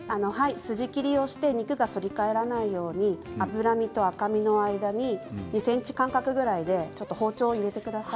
筋切りをして肉が反り返らないように脂身と赤身の間に２ｃｍくらいの間隔でちょっと包丁を入れてください。